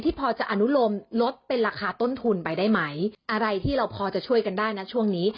พอจะอนุโลมลดเป็นราคาต้นทุนไปได้ไหมอะไรที่เราพอจะช่วยกันได้นะช่วงนี้